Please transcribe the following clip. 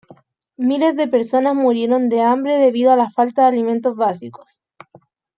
Miles de personas murieron de hambre debido a la falta de alimentos básicos.